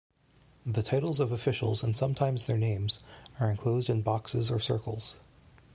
The titles of officials and sometimes their names are enclosed in boxes or circles.